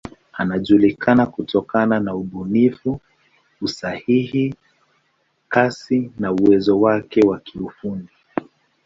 Anajulikana kutokana na ubunifu, usahihi, kasi na uwezo wake wa kiufundi.